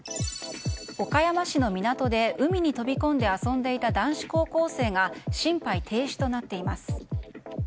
岡山市の港で海に飛び込んで遊んでいた男子高校生が心肺停止となっています。